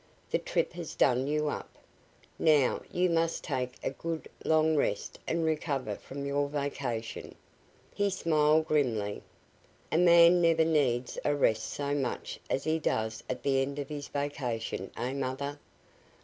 "The trip has done you up. Now, you must take a good, long rest and recover from your vacation." He smiled grimly. "A man never needs a rest so much as he does at the end of his vacation, eh, mother?